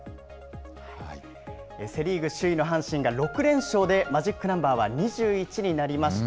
セ・リーグ首位の阪神が６連勝でマジックナンバーは２１になりました。